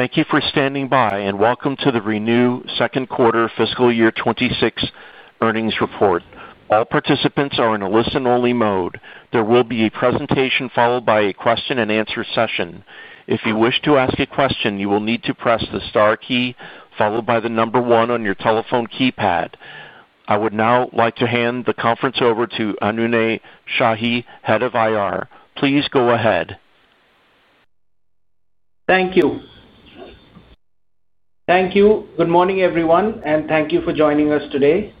Thank you for standing by, and welcome to the ReNew second quarter fiscal year 2026 earnings report. All participants are in a listen-only mode. There will be a presentation followed by a question-and-answer session. If you wish to ask a question, you will need to press the star key followed by the number one on your telephone keypad. I would now like to hand the conference over to Anunay Shahi, Head of IR. Please go ahead. Thank you. Thank you. Good morning, everyone, and thank you for joining us today.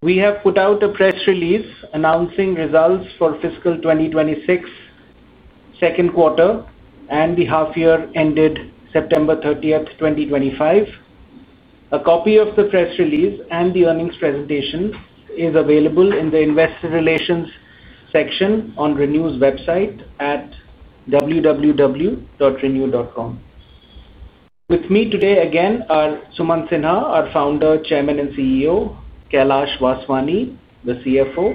We have put out a press release announcing results for fiscal 2026 second quarter, and the half year ended September 30, 2025. A copy of the press release and the earnings presentation is available in the investor relations section on ReNew's website at www.renew.com. With me today again are Sumant Sinha, our Founder, Chairman, and CEO; Kailash Vaswani, the CFO;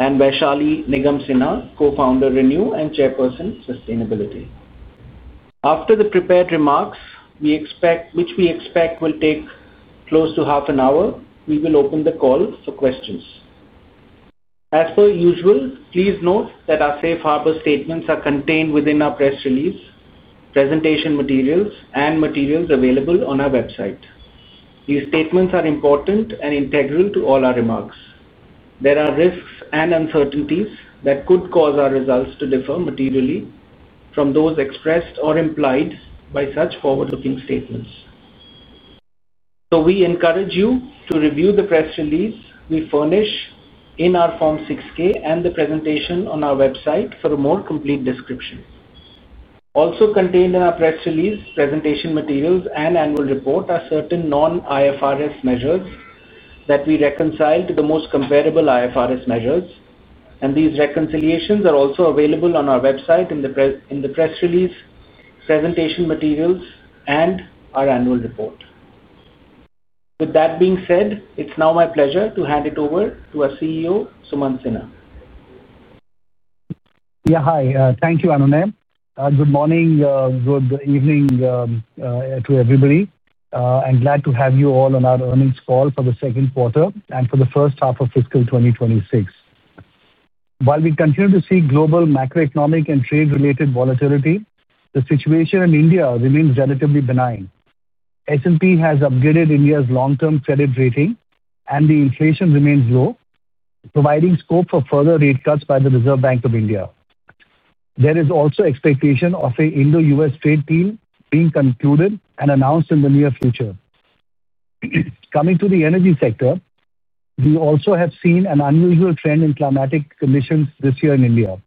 and Vaishali Nigam Sinha, Co-founder of ReNew and Chairperson of Sustainability. After the prepared remarks, which we expect will take close to half an hour, we will open the call for questions. As per usual, please note that our safe harbor statements are contained within our press release, presentation materials, and materials available on our website. These statements are important and integral to all our remarks. There are risks and uncertainties that could cause our results to differ materially from those expressed or implied by such forward-looking statements. We encourage you to review the press release we furnish in our Form 6K and the presentation on our website for a more complete description. Also contained in our press release, presentation materials, and annual report are certain non-IFRS measures that we reconcile to the most comparable IFRS measures, and these reconciliations are also available on our website in the press release, presentation materials, and our annual report. With that being said, it's now my pleasure to hand it over to our CEO, Sumant Sinha. Yeah, hi. Thank you, Anunay. Good morning, good evening to everybody. I'm glad to have you all on our earnings call for the second quarter and for the first half of fiscal 2026. While we continue to see global macroeconomic and trade-related volatility, the situation in India remains relatively benign. S&P has upgraded India's long-term credit rating, and the inflation remains low, providing scope for further rate cuts by the Reserve Bank of India. There is also expectation of an Indo-US trade deal being concluded and announced in the near future. Coming to the energy sector, we also have seen an unusual trend in climatic conditions this year in India.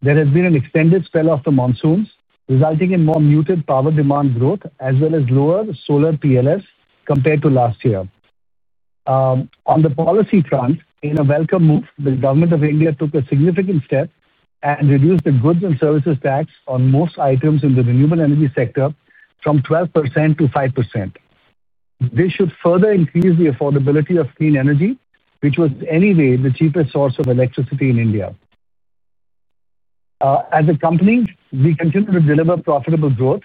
There has been an extended spell of the monsoons, resulting in more muted power demand growth, as well as lower solar PLFs compared to last year. On the policy front, in a welcome move, the Government of India took a significant step and reduced the goods and services tax on most items in the renewable energy sector from 12% to 5%. This should further increase the affordability of clean energy, which was anyway the cheapest source of electricity in India. As a company, we continue to deliver profitable growth,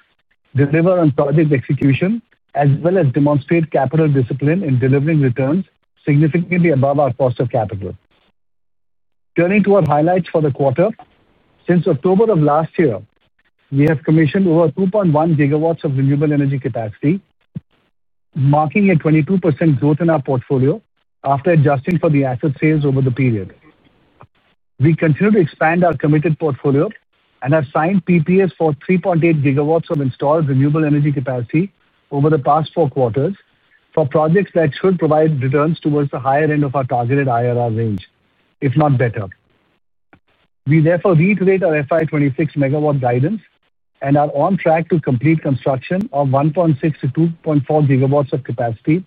deliver on project execution, as well as demonstrate capital discipline in delivering returns significantly above our cost of capital. Turning to our highlights for the quarter, since October of last year, we have commissioned over 2.1 GW of renewable energy capacity, marking a 22% growth in our portfolio after adjusting for the asset sales over the period. We continue to expand our committed portfolio and have signed PPAs for 3.8 GW of installed renewable energy capacity over the past four quarters for projects that should provide returns towards the higher end of our targeted IRR range, if not better. We therefore reiterate our FY 2026 MW guidance and are on track to complete construction of 1.6-2.4 GW of capacity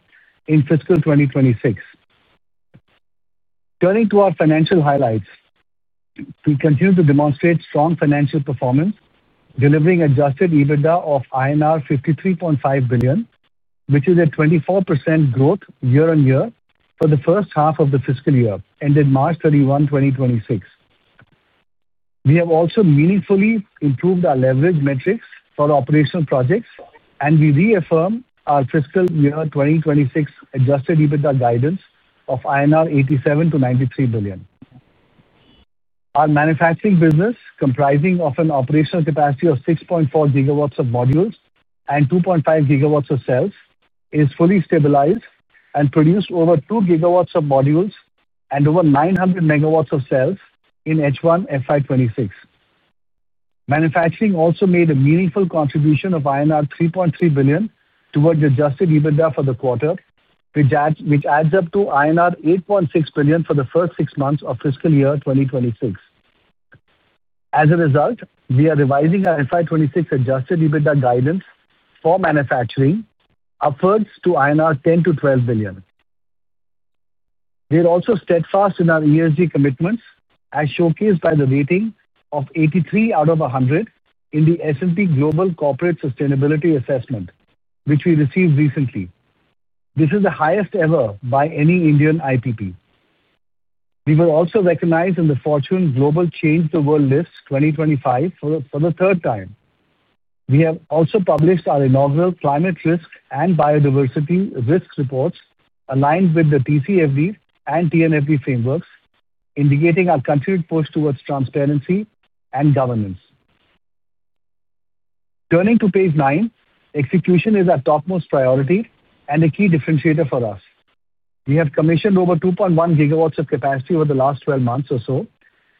in fiscal 2026. Turning to our financial highlights, we continue to demonstrate strong financial performance, delivering adjusted EBITDA of INR 53.5 billion, which is a 24% growth year on year for the first half of the fiscal year ended March 31, 2026. We have also meaningfully improved our leverage metrics for operational projects, and we reaffirm our fiscal year 2026 adjusted EBITDA guidance of INR 87 billion-93 billion. Our manufacturing business, comprising of an operational capacity of 6.4 GW of modules and 2.5 GW of cells, is fully stabilized and produced over 2 GW of modules and over 900 MW of cells in H1 FY 2026. Manufacturing also made a meaningful contribution of INR 3.3 billion towards adjusted EBITDA for the quarter, which adds up to INR 8.6 billion for the first six months of fiscal year 2026. As a result, we are revising our FY 2026 adjusted EBITDA guidance for manufacturing upwards to 10 billion-12 billion. We are also steadfast in our ESG commitments, as showcased by the rating of 83 out of 100 in the S&P Global Corporate Sustainability Assessment, which we received recently. This is the highest ever by any Indian IPP. We were also recognized in the Fortune Global Change the World List 2025 for the third time. We have also published our inaugural climate risk and biodiversity risk reports aligned with the TCFD and TNFD frameworks, indicating our continued push towards transparency and governance. Turning to page nine, execution is our topmost priority and a key differentiator for us. We have commissioned over 2.1 GW of capacity over the last 12 months or so,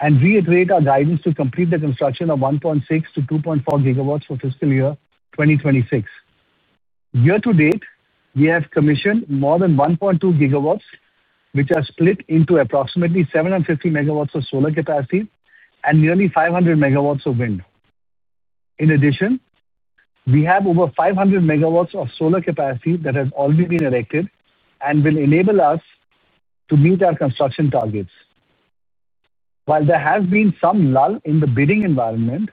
and we iterate our guidance to complete the construction of 1.6-2.4 GW for fiscal year 2026. Year to date, we have commissioned more than 1.2 GW, which are split into approximately 750 MW of solar capacity and nearly 500 MW of wind. In addition, we have over 500 MW of solar capacity that has already been erected and will enable us to meet our construction targets. While there has been some lull in the bidding environment,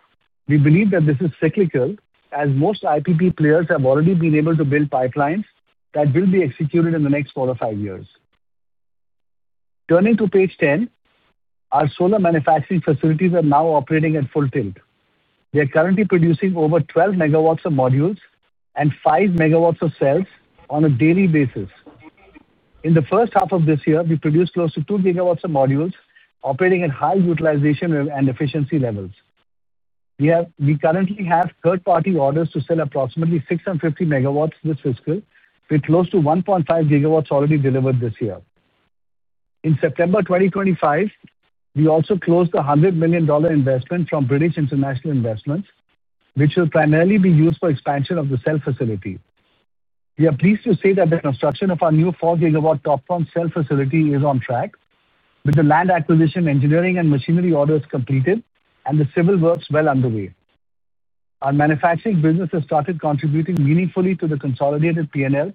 we believe that this is cyclical, as most IPP players have already been able to build pipelines that will be executed in the next four or five years. Turning to page 10, our solar manufacturing facilities are now operating at full tilt. They are currently producing over 12 MW of modules and 5 MW of cells on a daily basis. In the first half of this year, we produced close to 2 GW of modules operating at high utilization and efficiency levels. We currently have third-party orders to sell approximately 650 MW this fiscal, with close to 1.5 GW already delivered this year. In September 2025, we also closed the $100 million investment from British International Investments, which will primarily be used for expansion of the cell facility. We are pleased to say that the construction of our new 4 GW TOPCon cell facility is on track, with the land acquisition, engineering, and machinery orders completed, and the civil works well underway. Our manufacturing business has started contributing meaningfully to the consolidated P&L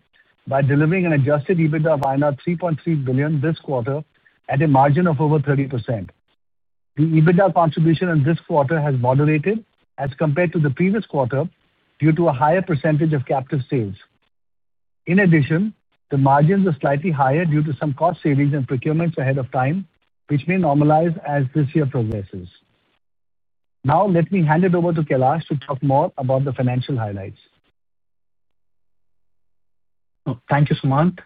by delivering an adjusted EBITDA of INR 3.3 billion this quarter at a margin of over 30%. The EBITDA contribution in this quarter has moderated as compared to the previous quarter due to a higher percentage of captive sales. In addition, the margins are slightly higher due to some cost savings and procurements ahead of time, which may normalize as this year progresses. Now, let me hand it over to Kailash to talk more about the financial highlights. Thank you, Sumant.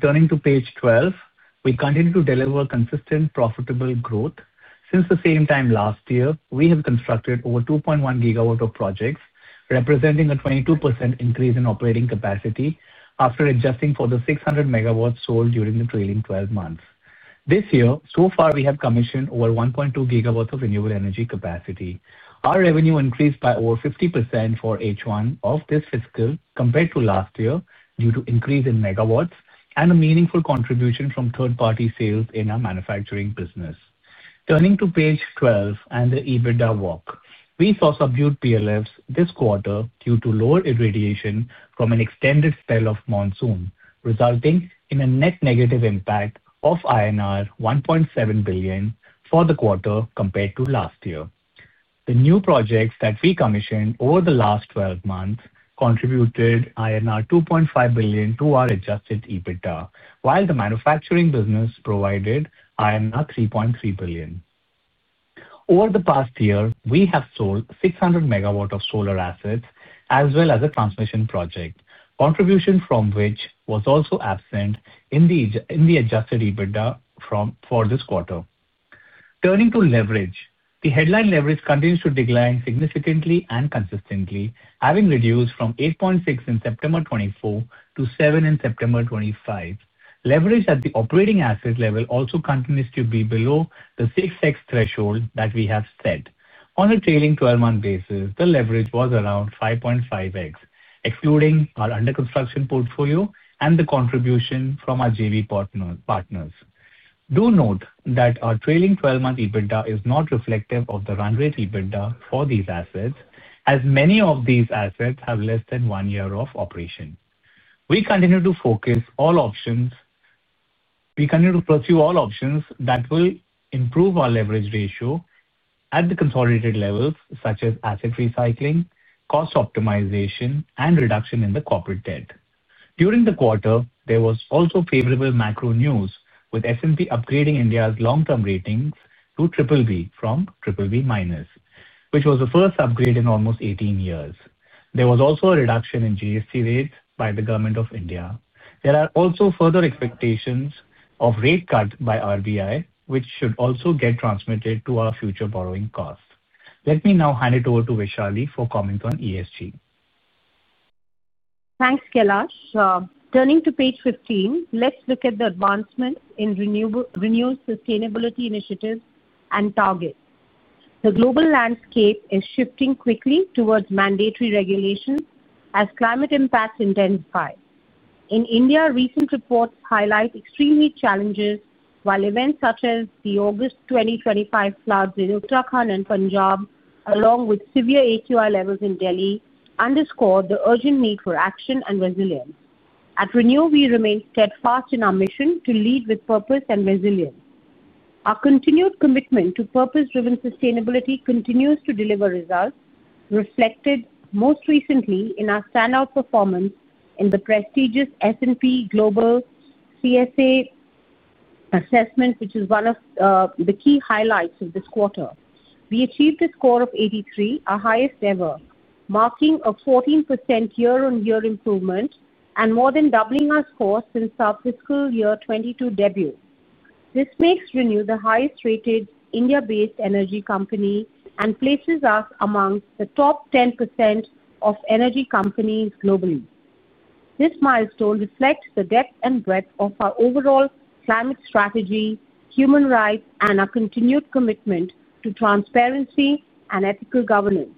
Turning to page 12, we continue to deliver consistent profitable growth. Since the same time last year, we have constructed over 2.1 GW of projects, representing a 22% increase in operating capacity after adjusting for the 600 MW sold during the trailing 12 months. This year, so far, we have commissioned over 1.2 GW of renewable energy capacity. Our revenue increased by over 50% for H1 of this fiscal compared to last year due to an increase in MW and a meaningful contribution from third-party sales in our manufacturing business. Turning to page 12 and the EBITDA walk, we saw subdued PLFs this quarter due to lower irradiation from an extended spell of monsoon, resulting in a net negative impact of INR 1.7 billion for the quarter compared to last year. The new projects that we commissioned over the last 12 months contributed INR 2.5 billion to our adjusted EBITDA, while the manufacturing business provided INR 3.3 billion. Over the past year, we have sold 600 MW of solar assets as well as a transmission project, contribution from which was also absent in the adjusted EBITDA for this quarter. Turning to leverage, the headline leverage continues to decline significantly and consistently, having reduced from 8.6% in September 2024 to 7% in September 2025. Leverage at the operating asset level also continues to be below the 6x threshold that we have set. On a trailing 12-month basis, the leverage was around 5.5x, excluding our under-construction portfolio and the contribution from our JV partners. Do note that our trailing 12-month EBITDA is not reflective of the run rate EBITDA for these assets, as many of these assets have less than one year of operation. We continue to pursue all options that will improve our leverage ratio at the consolidated levels, such as asset recycling, cost optimization, and reduction in the corporate debt. During the quarter, there was also favorable macro news, with S&P upgrading India's long-term ratings to BBB from BBB-, which was the first upgrade in almost 18 years. There was also a reduction in GST rates by the Government of India. There are also further expectations of rate cuts by RBI, which should also get transmitted to our future borrowing costs. Let me now hand it over to Vaishali for comments on ESG. Thanks, Kailash. Turning to page 15, let's look at the advancements in ReNew Sustainability Initiatives and targets. The global landscape is shifting quickly towards mandatory regulations as climate impacts intensify. In India, recent reports highlight extreme heat challenges, while events such as the August 2025 floods in Uttarakhand and Punjab, along with severe AQI levels in Delhi, underscore the urgent need for action and resilience. At ReNew, we remain steadfast in our mission to lead with purpose and resilience. Our continued commitment to purpose-driven sustainability continues to deliver results, reflected most recently in our standout performance in the prestigious S&P Global CSA Assessment, which is one of the key highlights of this quarter. We achieved a score of 83, our highest ever, marking a 14% year-on-year improvement and more than doubling our score since our fiscal year 2022 debut. This makes ReNew the highest-rated India-based energy company and places us among the top 10% of energy companies globally. This milestone reflects the depth and breadth of our overall climate strategy, human rights, and our continued commitment to transparency and ethical governance.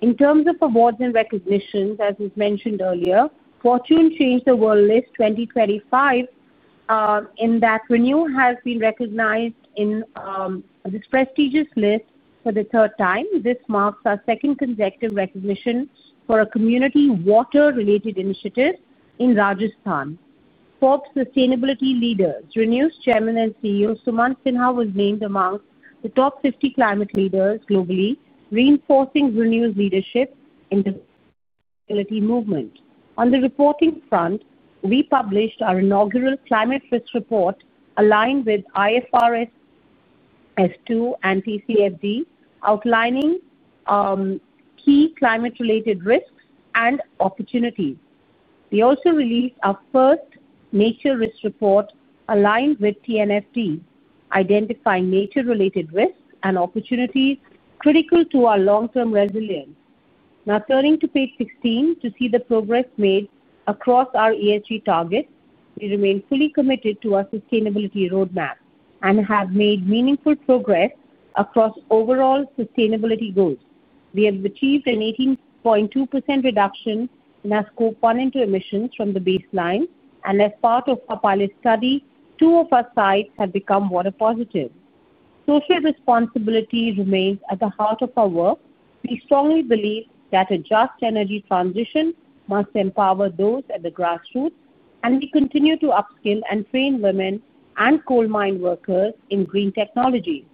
In terms of awards and recognitions, as was mentioned earlier, Fortune Change the World List 2025 in that ReNew has been recognized in this prestigious list for the third time. This marks our second consecutive recognition for a community water-related initiative in Rajasthan. Forbes Sustainability Leaders, ReNew's Chairman and CEO, Sumant Sinha, was named among the top 50 climate leaders globally, reinforcing ReNew's leadership in the sustainability movement. On the reporting front, we published our inaugural climate risk report aligned with IFRS S2 and TCFD, outlining key climate-related risks and opportunities. We also released our first nature risk report aligned with TNFD, identifying nature-related risks and opportunities critical to our long-term resilience. Now, turning to page 16 to see the progress made across our ESG targets, we remain fully committed to our sustainability roadmap and have made meaningful progress across overall sustainability goals. We have achieved an 18.2% reduction in our scope one and two emissions from the baseline, and as part of our pilot study, two of our sites have become water positive. Social responsibility remains at the heart of our work. We strongly believe that a just energy transition must empower those at the grassroots, and we continue to upskill and train women and coal mine workers in green technology.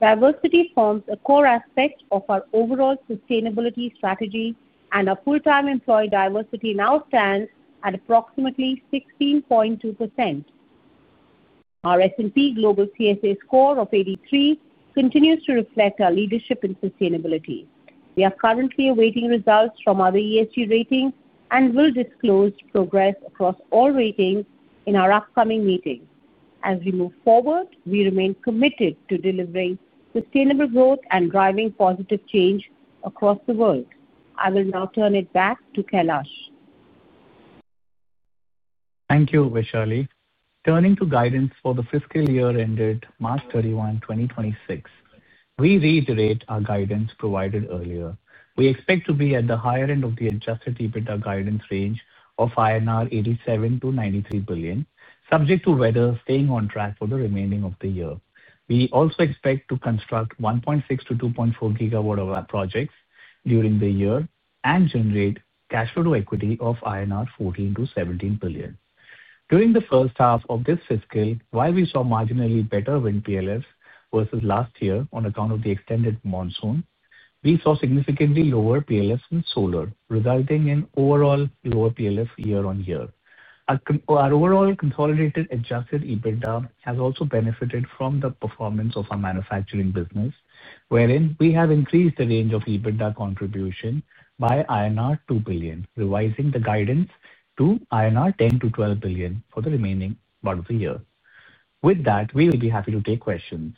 Diversity forms a core aspect of our overall sustainability strategy, and our full-time employee diversity now stands at approximately 16.2%. Our S&P Global CSA score of 83 continues to reflect our leadership in sustainability. We are currently awaiting results from other ESG ratings and will disclose progress across all ratings in our upcoming meeting. As we move forward, we remain committed to delivering sustainable growth and driving positive change across the world. I will now turn it back to Kailash. Thank you, Vaishali. Turning to guidance for the fiscal year ended March 31, 2026, we reiterate our guidance provided earlier. We expect to be at the higher end of the adjusted EBITDA guidance range of 87 billion-93 billion INR, subject to weather staying on track for the remaining of the year. We also expect to construct 1.6-2.4 GW of projects during the year and generate cash flow to equity of 14 billion-17 billion INR. During the first half of this fiscal, while we saw marginally better wind PLFs versus last year on account of the extended monsoon, we saw significantly lower PLFs in solar, resulting in overall lower PLF year on year. Our overall consolidated adjusted EBITDA has also benefited from the performance of our manufacturing business, wherein we have increased the range of EBITDA contribution by INR 2 billion, revising the guidance to INR 10 billion-12 billion for the remaining part of the year. With that, we will be happy to take questions.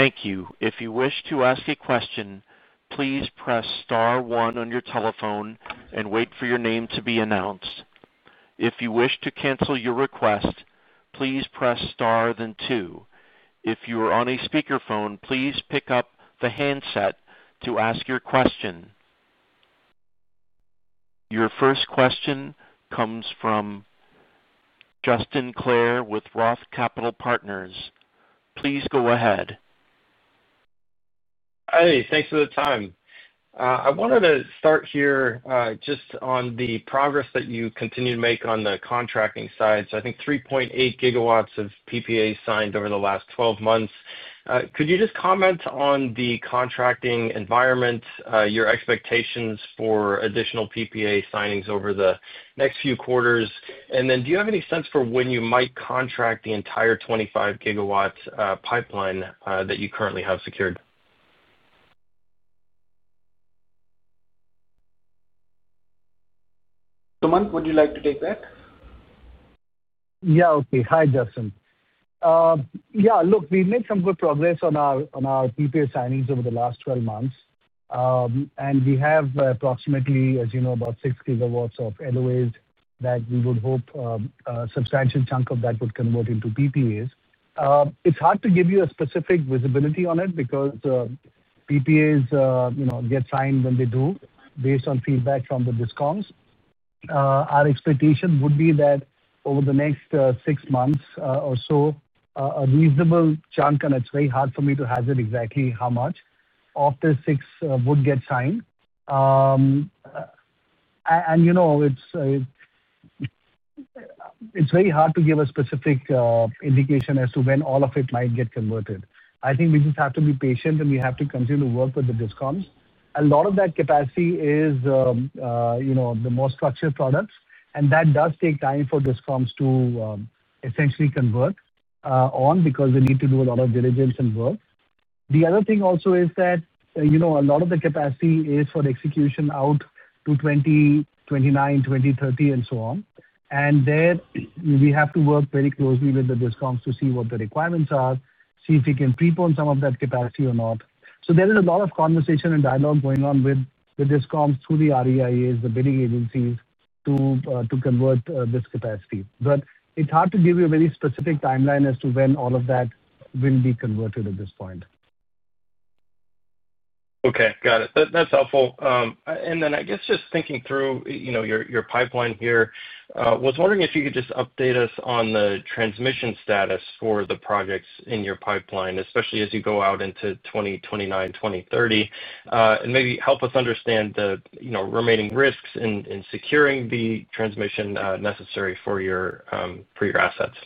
Thank you. If you wish to ask a question, please press star one on your telephone and wait for your name to be announced. If you wish to cancel your request, please press star then two. If you are on a speakerphone, please pick up the handset to ask your question. Your first question comes from Justin Clare with Roth Capital Partners. Please go ahead. Hi. Thanks for the time. I wanted to start here just on the progress that you continue to make on the contracting side. I think 3.8 GW of PPA signed over the last 12 months. Could you just comment on the contracting environment, your expectations for additional PPA signings over the next few quarters? Do you have any sense for when you might contract the entire 25-GW pipeline that you currently have secured? Sumant, would you like to take that? Yeah. Okay. Hi, Justin. Yeah. Look, we've made some good progress on our PPA signings over the last 12 months, and we have approximately, as you know, about 6 GW of LOAs that we would hope a substantial chunk of that would convert into PPAs. It's hard to give you a specific visibility on it because PPAs get signed when they do based on feedback from the DISCOMs. Our expectation would be that over the next six months or so, a reasonable chunk—and it's very hard for me to hazard exactly how much—of the six would get signed. It's very hard to give a specific indication as to when all of it might get converted. I think we just have to be patient, and we have to continue to work with the DISCOMs. A lot of that capacity is the more structured products, and that does take time for discounts to essentially convert on because we need to do a lot of diligence and work. The other thing also is that a lot of the capacity is for execution out to 2029, 2030, and so on. There, we have to work very closely with the discounts to see what the requirements are, see if we can prepone some of that capacity or not. There is a lot of conversation and dialogue going on with the discounts through the REIAs, the bidding agencies to convert this capacity. It is hard to give you a very specific timeline as to when all of that will be converted at this point. Okay. Got it. That's helpful. I guess just thinking through your pipeline here, I was wondering if you could just update us on the transmission status for the projects in your pipeline, especially as you go out into 2029, 2030, and maybe help us understand the remaining risks in securing the transmission necessary for your assets.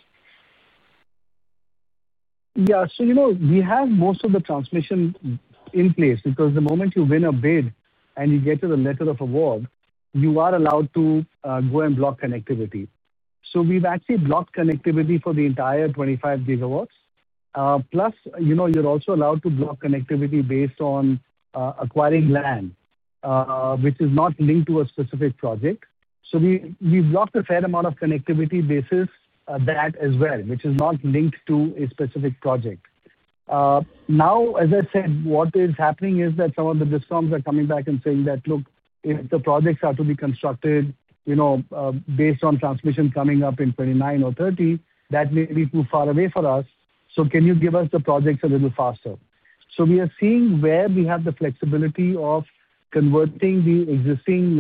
Yeah. So we have most of the transmission in place because the moment you win a bid and you get to the letter of award, you are allowed to go and block connectivity. So we've actually blocked connectivity for the entire 25 GW. Plus, you're also allowed to block connectivity based on acquiring land, which is not linked to a specific project. So we blocked a fair amount of connectivity basis that as well, which is not linked to a specific project. Now, as I said, what is happening is that some of the DISCOMs are coming back and saying that, "Look, if the projects are to be constructed based on transmission coming up in 2029 or 2030, that may be too far away for us. Can you give us the projects a little faster? We are seeing where we have the flexibility of converting the existing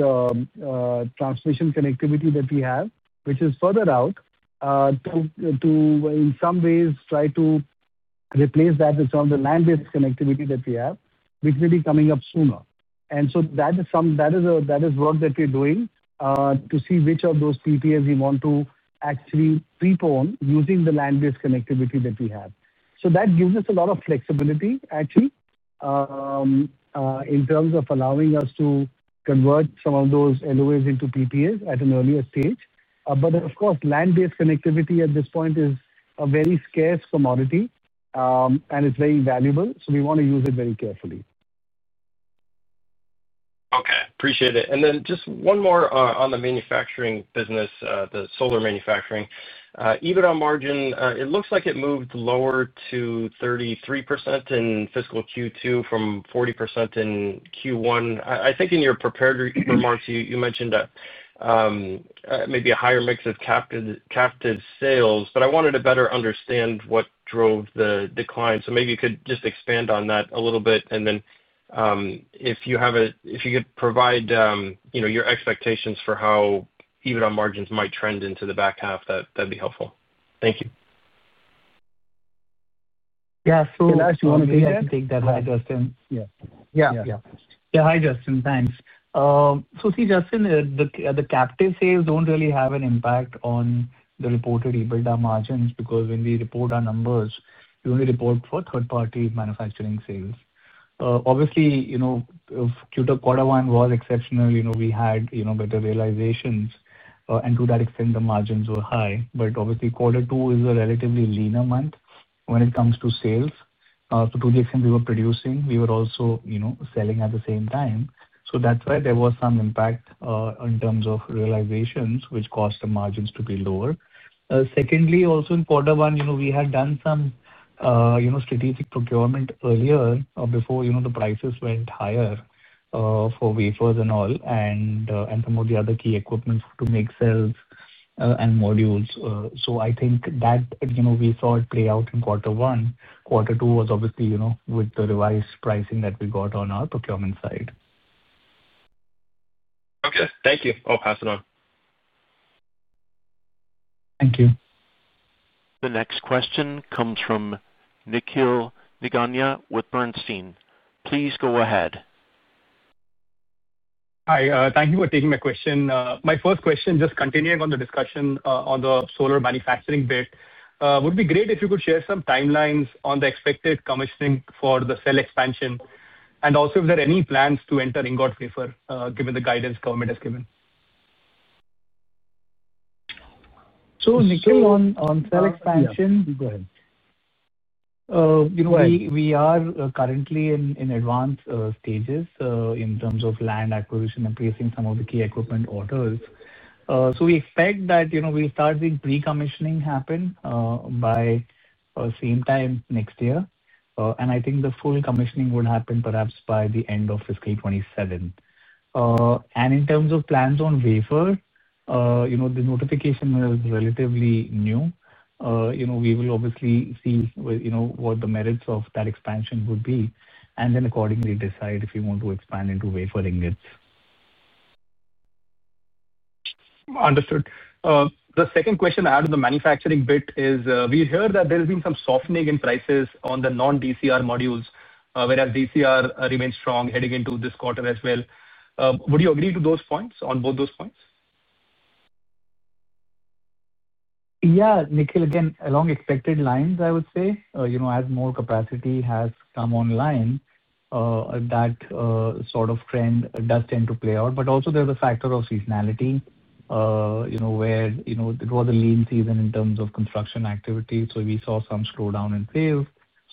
transmission connectivity that we have, which is further out, to in some ways try to replace that with some of the land-based connectivity that we have, which may be coming up sooner. That is work that we are doing to see which of those PPAs we want to actually prepone using the land-based connectivity that we have. That gives us a lot of flexibility, actually, in terms of allowing us to convert some of those LOAs into PPAs at an earlier stage. Of course, land-based connectivity at this point is a very scarce commodity, and it is very valuable, so we want to use it very carefully. Okay. Appreciate it. Just one more on the manufacturing business, the solar manufacturing. Even on margin, it looks like it moved lower to 33% in fiscal Q2 from 40% in Q1. I think in your prepared remarks, you mentioned maybe a higher mix of captive sales, but I wanted to better understand what drove the decline. Maybe you could just expand on that a little bit. If you could provide your expectations for how even on margins might trend into the back half, that would be helpful. Thank you. Yeah. So actually, one of the things I think that, hi, Justin. Yeah. Hi, Justin. Thanks. See, Justin, the captive sales do not really have an impact on the reported EBITDA margins because when we report our numbers, we only report for third-party manufacturing sales. Obviously, if Q2, Quarter One was exceptional, we had better realizations, and to that extent, the margins were high. Obviously, Quarter Two is a relatively leaner month when it comes to sales. To the extent we were producing, we were also selling at the same time. That is why there was some impact in terms of realizations, which caused the margins to be lower. Secondly, also in Quarter One, we had done some strategic procurement earlier before the prices went higher for wafers and all and some of the other key equipment to make cells and modules. I think that we saw it play out in Quarter One. Quarter Two was obviously with the revised pricing that we got on our procurement side. Okay. Thank you. I'll pass it on. Thank you. The next question comes from Nikhil Nigania with Bernstein. Please go ahead. Hi. Thank you for taking my question. My first question, just continuing on the discussion on the solar manufacturing bit, it would be great if you could share some timelines on the expected commissioning for the cell expansion and also if there are any plans to enter ingot wafer given the guidance government has given. Nikhil, on cell expansion. Go ahead. We are currently in advanced stages in terms of land acquisition and placing some of the key equipment orders. We expect that we'll start seeing pre-commissioning happen by the same time next year. I think the full commissioning would happen perhaps by the end of fiscal 2027. In terms of plans on wafer, the notification is relatively new. We will obviously see what the merits of that expansion would be and then accordingly decide if we want to expand into wafer ingots. Understood. The second question I had on the manufacturing bit is we heard that there has been some softening in prices on the non-DCR modules, whereas DCR remains strong heading into this quarter as well. Would you agree to those points on both those points? Yeah. Nikhil, again, along expected lines, I would say, as more capacity has come online, that sort of trend does tend to play out. There is also a factor of seasonality where it was a lean season in terms of construction activity. We saw some slowdown in sales.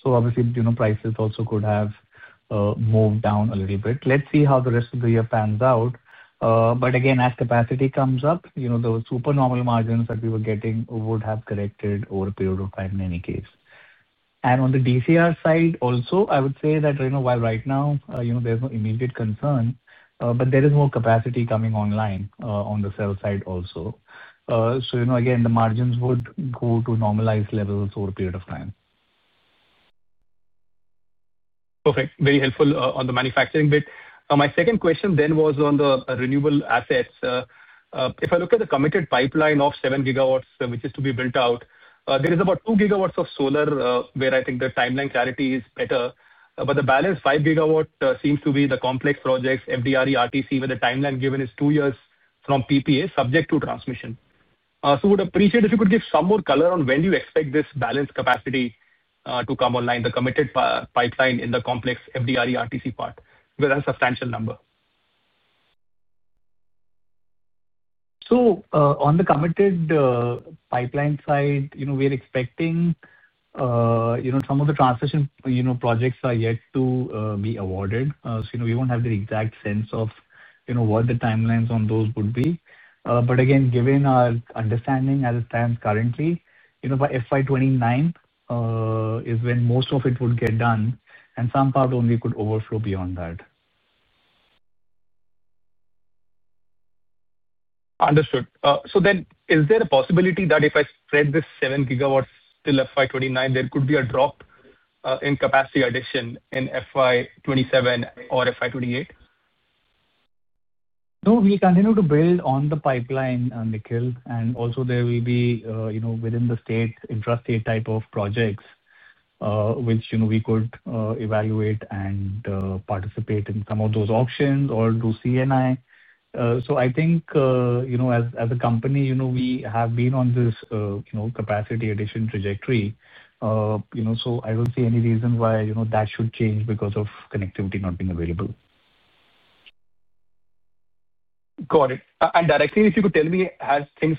Obviously, prices also could have moved down a little bit. Let's see how the rest of the year pans out. Again, as capacity comes up, the supernormal margins that we were getting would have corrected over a period of time in any case. On the DCR side also, I would say that while right now there is no immediate concern, there is more capacity coming online on the cell side also. Again, the margins would go to normalized levels over a period of time. Perfect. Very helpful on the manufacturing bit. My second question then was on the renewable assets. If I look at the committed pipeline of 7 GW, which is to be built out, there is about 2 GW of solar where I think the timeline clarity is better. The balance 5 GW seems to be the complex projects, FDRE, RTC, where the timeline given is two years from PPA, subject to transmission. I would appreciate if you could give some more color on when you expect this balanced capacity to come online, the committed pipeline in the complex FDRE, RTC part, because that's a substantial number. On the committed pipeline side, we're expecting some of the transition projects are yet to be awarded. We won't have the exact sense of what the timelines on those would be. Again, given our understanding at the time currently, by FY 2029 is when most of it would get done, and some part only could overflow beyond that. Understood. So then is there a possibility that if I spread this 7 GW till FY 2029, there could be a drop in capacity addition in FY 2027 or FY 2028? No, we continue to build on the pipeline, Nikhil. Also, there will be within the state interstate type of projects, which we could evaluate and participate in some of those auctions or do CNI. I think as a company, we have been on this capacity addition trajectory. I do not see any reason why that should change because of connectivity not being available. Got it. Directly, if you could tell me, have things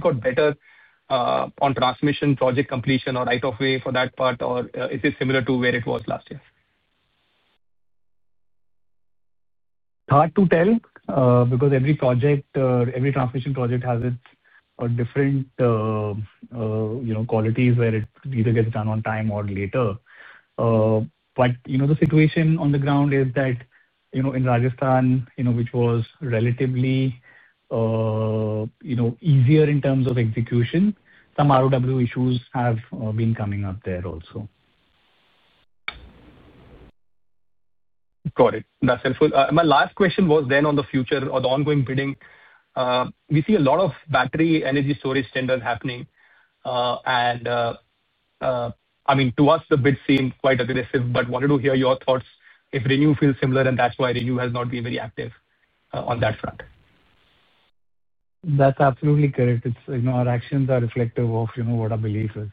got better on transmission project completion or right of way for that part, or is it similar to where it was last year? Hard to tell because every project, every transmission project has its different qualities where it either gets done on time or later. The situation on the ground is that in Rajasthan, which was relatively easier in terms of execution, some ROW issues have been coming up there also. Got it. That's helpful. My last question was then on the future or the ongoing bidding. We see a lot of battery energy storage tenders happening. I mean, to us, the bids seem quite aggressive, but wanted to hear your thoughts if ReNew feels similar and that's why ReNew has not been very active on that front. That's absolutely correct. Our actions are reflective of what our belief is.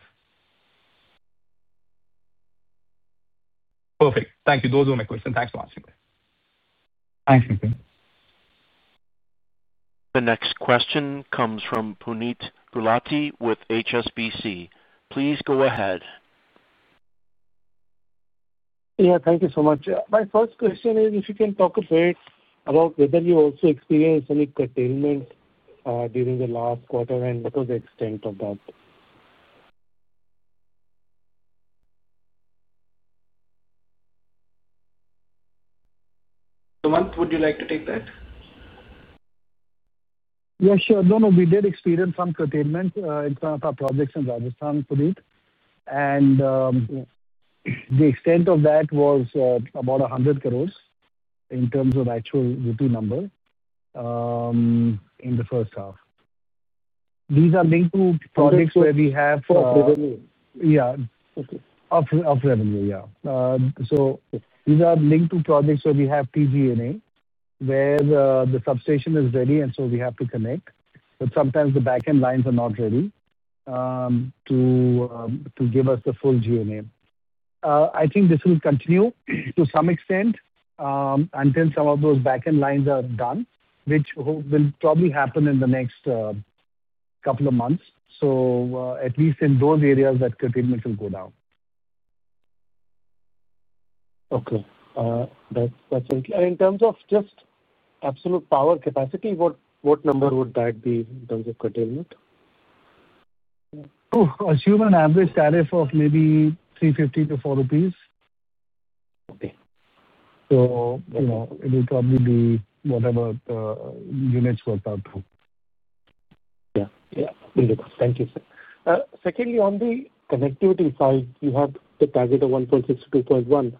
Perfect. Thank you. Those were my questions. Thanks for answering them. Thanks, Nikhil. The next question comes from Puneet Gulati with HSBC. Please go ahead. Yeah. Thank you so much. My first question is if you can talk a bit about whether you also experienced any curtailment during the last quarter and what was the extent of that? Sumant, would you like to take that? Yeah. Sure. No, no. We did experience some curtailment in some of our projects in Rajasthan, Puneet. The extent of that was about 100 crore in terms of actual routine number in the first half. These are linked to projects where we have of revenue. Yeah. Of revenue, yeah. These are linked to projects where we have GNA where the substation is ready, and we have to connect. Sometimes the backend lines are not ready to give us the full GNA. I think this will continue to some extent until some of those backend lines are done, which will probably happen in the next couple of months. At least in those areas, that curtailment will go down. Okay. That's fine. In terms of just absolute power capacity, what number would that be in terms of curtailment? To assume an average tariff of maybe 3.50-4 rupees. Okay. It will probably be whatever units work out to. Yeah. Yeah. Very good. Thank you, sir. Secondly, on the connectivity side, you have the target of 1.6 GW-2.1 GW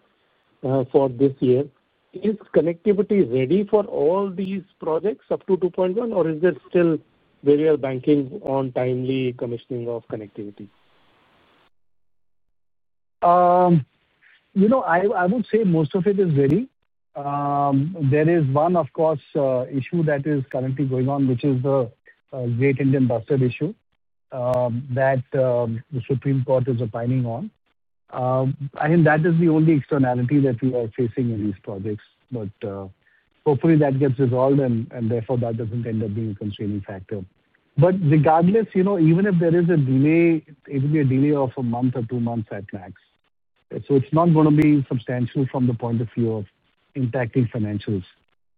for this year. Is connectivity ready for all these projects up to 2.1 GW, or is there still very well banking on timely commissioning of connectivity? I would say most of it is ready. There is one, of course, issue that is currently going on, which is the Great Indian Bustard issue that the Supreme Court is opining on. I think that is the only externality that we are facing in these projects. Hopefully, that gets resolved, and therefore that does not end up being a constraining factor. Regardless, even if there is a delay, it will be a delay of a month or two months at max. It is not going to be substantial from the point of view of impacting financials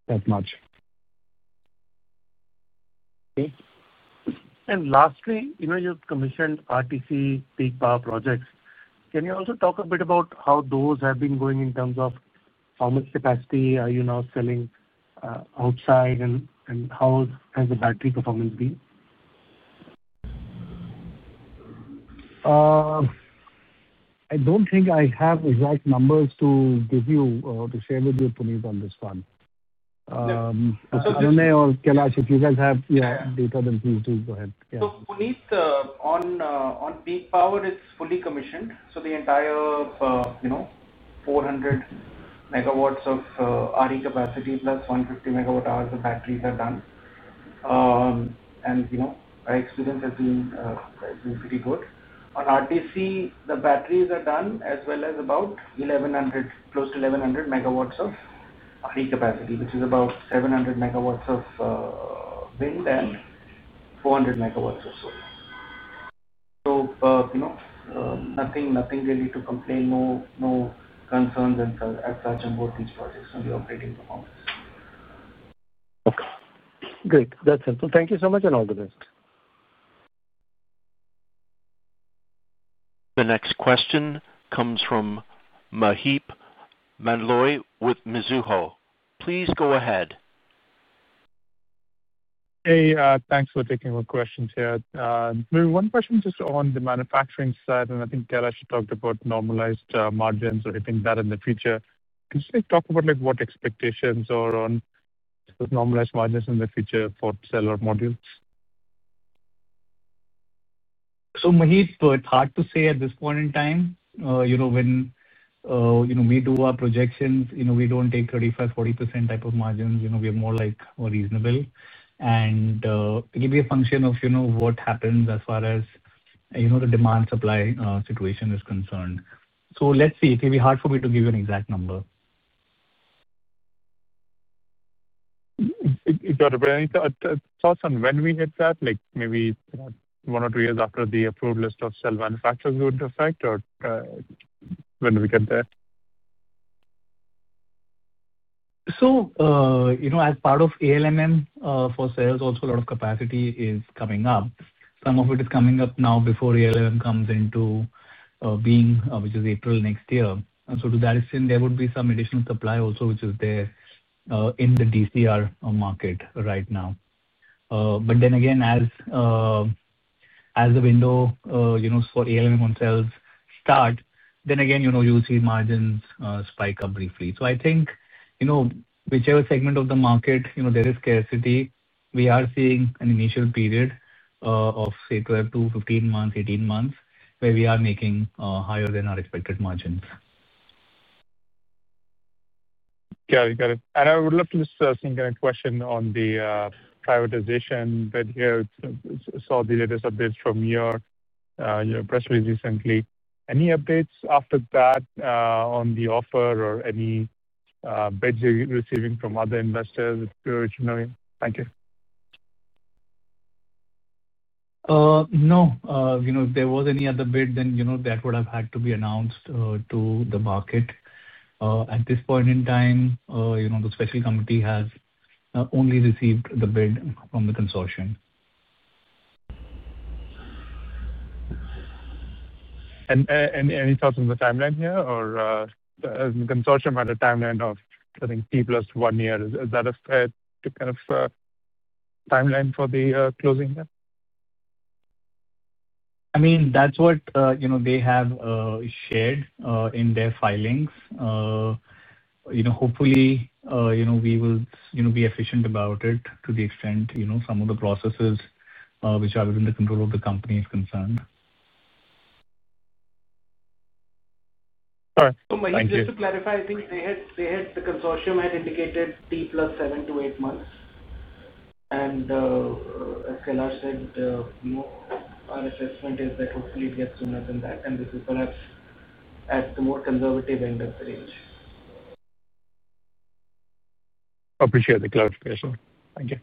that much. Okay. Lastly, you commissioned RTC, peak power projects. Can you also talk a bit about how those have been going in terms of how much capacity are you now selling outside, and how has the battery performance been? I don't think I have exact numbers to give you or to share with you, Puneet, on this one. So Anunay or Kailash, if you guys have data then, please do go ahead. Puneet, on peak power, it is fully commissioned. The entire 400 MW of RE capacity plus 150 MW hours of batteries are done. My experience has been pretty good. On RTC, the batteries are done as well as about 1,100, close to 1,100 MW of RE capacity, which is about 700 MW of wind and 400 MW of solar. Nothing really to complain, no concerns as such on both these projects on the operating performance. Okay. Great. That's helpful. Thank you so much and all the best. The next question comes from Maheep Mandloi with Mizuho. Please go ahead. Hey, thanks for taking my questions here. One question just on the manufacturing side, and I think Kailash talked about normalized margins or anything that in the future. Can you talk about what expectations are on normalized margins in the future for cellular modules? Maheep, it's hard to say at this point in time. When we do our projections, we don't take 35%-40% type of margins. We are more like more reasonable. It will be a function of what happens as far as the demand-supply situation is concerned. Let's see. It will be hard for me to give you an exact number. Is there any thoughts on when we hit that, like maybe one or two years after the approved list of cell manufacturers would affect or when we get there? As part of ALMM for sales, also a lot of capacity is coming up. Some of it is coming up now before ALMM comes into being, which is April next year. To that extent, there would be some additional supply also, which is there in the DCR market right now. Then again, as the window for ALMM on cells starts, you'll see margins spike up briefly. I think whichever segment of the market, there is scarcity. We are seeing an initial period of, say, 12-15 months, 18 months, where we are making higher than our expected margins. Got it. Got it. I would love to just ask a question on the privatization bit here. I saw the latest updates from New York press release recently. Any updates after that on the offer or any bids you're receiving from other investors? Thank you. No. If there was any other bid, then that would have had to be announced to the market. At this point in time, the special committee has only received the bid from the consortium. Any thoughts on the timeline here or the consortium had a timeline of, I think, T plus one year? Is that a fair kind of timeline for the closing there? I mean, that's what they have shared in their filings. Hopefully, we will be efficient about it to the extent. Some of the processes which are within the control of the company is concerned. All right. Maheep, just to clarify, I think they had, the consortium had indicated T plus seven to eight months. As Kailash said, our assessment is that hopefully it gets sooner than that. This is perhaps at the more conservative end of the range. Appreciate the clarification. Thank you.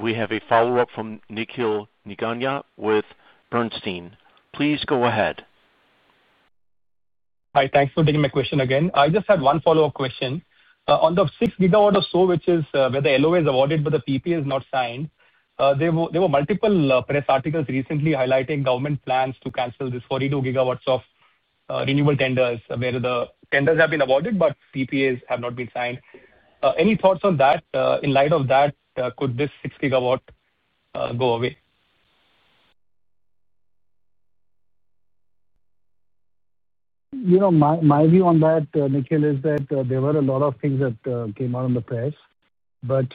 We have a follow-up from Nikhil Nigania with Bernstein. Please go ahead. Hi. Thanks for taking my question again. I just had one follow-up question. On the 6 GW or so, which is where the LOA is awarded, but the PPA is not signed, there were multiple press articles recently highlighting government plans to cancel this 42 GW of renewable tenders where the tenders have been awarded, but PPAs have not been signed. Any thoughts on that? In light of that, could this 6 GW go away? My view on that, Nikhil, is that there were a lot of things that came out on the press.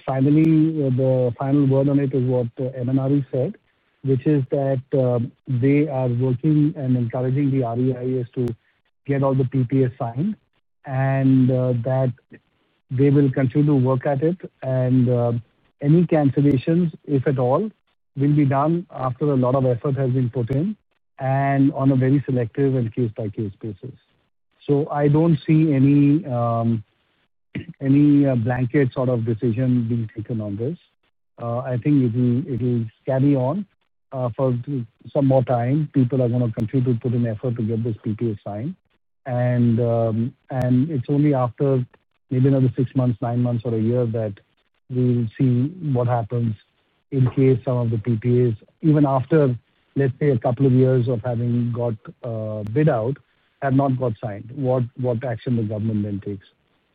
Finally, the final word on it is what Emanuela said, which is that they are working and encouraging the REIAs to get all the PPAs signed and that they will continue to work at it. Any cancellations, if at all, will be done after a lot of effort has been put in and on a very selective and case-by-case basis. I do not see any blanket sort of decision being taken on this. I think it will carry on for some more time. People are going to continue to put in effort to get this PPA signed. It's only after maybe another six months, nine months, or a year that we will see what happens in case some of the PPAs, even after, let's say, a couple of years of having got bid out, have not got signed, what action the government then takes.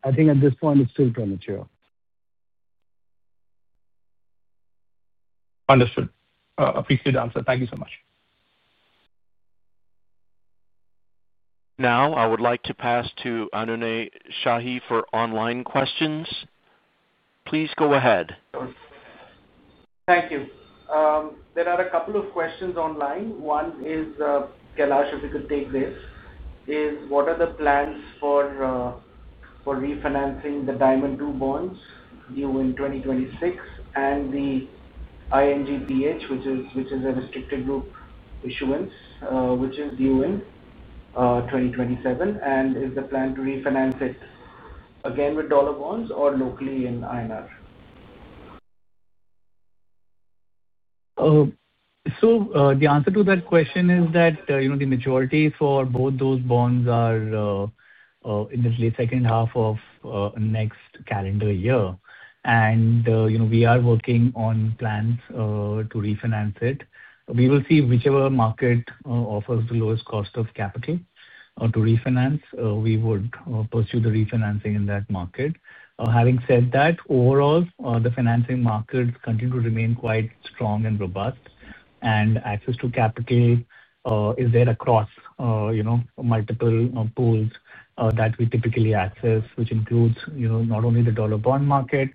I think at this point, it's still premature. Understood. Appreciate the answer. Thank you so much. Now, I would like to pass to Anunay Shahi for online questions. Please go ahead. Thank you. There are a couple of questions online. One is, Kailash, if you could take this, is what are the plans for refinancing the Diamond II bonds due in 2026 and the INGPH, which is a restricted group issuance, which is due in 2027? Is the plan to refinance it again with dollar bonds or locally in INR? The answer to that question is that the majority for both those bonds are in the second half of next calendar year. We are working on plans to refinance it. We will see whichever market offers the lowest cost of capital to refinance, we would pursue the refinancing in that market. Having said that, overall, the financing markets continue to remain quite strong and robust. Access to capital is there across multiple pools that we typically access, which includes not only the dollar bond market,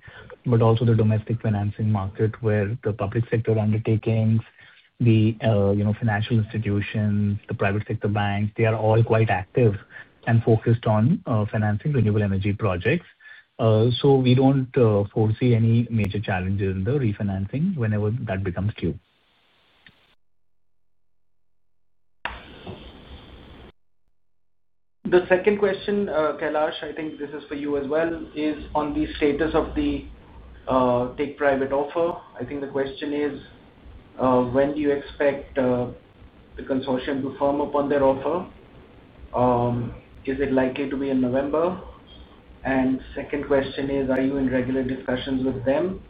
but also the domestic financing market where the public sector undertakings, the financial institutions, the private sector banks, they are all quite active and focused on financing renewable energy projects. We do not foresee any major challenges in the refinancing whenever that becomes due. The second question, Kailash, I think this is for you as well, is on the status of the TIC private offer. I think the question is, when do you expect the consortium to firm upon their offer? Is it likely to be in November? The second question is, are you in regular discussions with them?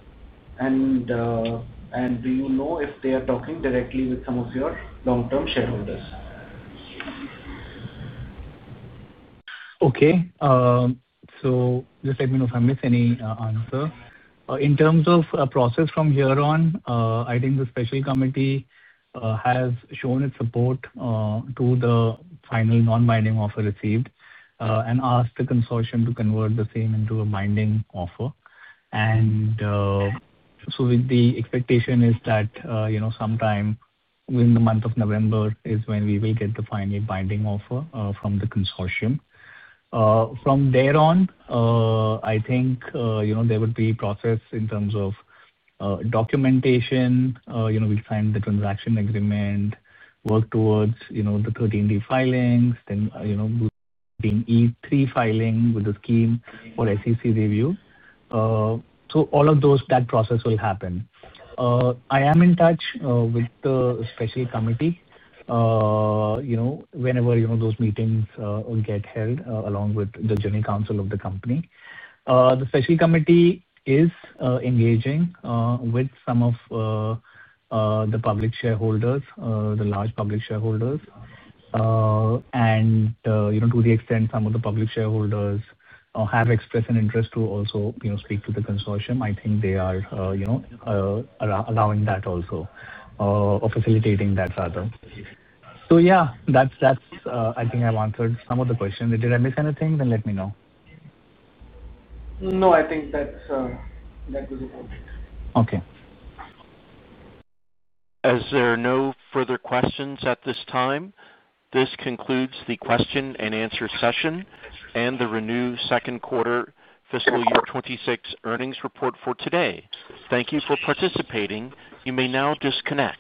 Do you know if they are talking directly with some of your long-term shareholders? Okay. Just let me know if I missed any answer. In terms of process from here on, I think the special committee has shown its support to the final non-binding offer received and asked the consortium to convert the same into a binding offer. The expectation is that sometime within the month of November is when we will get the final binding offer from the consortium. From there on, I think there would be process in terms of documentation. We'll sign the transaction agreement, work towards the 13D filings, then the E3 filing with the scheme for SEC review. All of that process will happen. I am in touch with the special committee whenever those meetings get held along with the General Counsel of the company. The special committee is engaging with some of the public shareholders, the large public shareholders, and to the extent some of the public shareholders have expressed an interest to also speak to the consortium. I think they are allowing that also or facilitating that rather. Yeah, I think I've answered some of the questions. Did I miss anything? Let me know. No, I think that was all. Okay. As there are no further questions at this time, this concludes the question and answer session and the ReNew second quarter fiscal year 2026 earnings report for today. Thank you for participating. You may now disconnect.